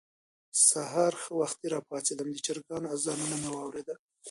سهار ښه وختي راپاڅېدم، د چرګانو اذانونه مې واورېدل.